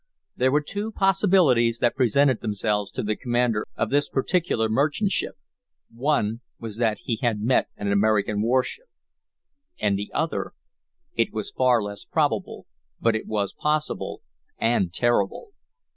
There were two possibilities that presented themselves to the commander of this particular merchantship. One was that he had met an American warship And the other! It was far less probable, but it was possible, and terrible.